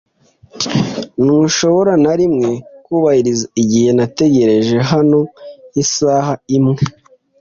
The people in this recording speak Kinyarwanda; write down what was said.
Ntushobora na rimwe kubahiriza igihe? Nategereje hano isaha imwe.